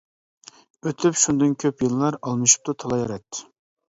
ئۆتۈپ شۇندىن كۆپ يىللار، ئالمىشىپتۇ تالاي رەت.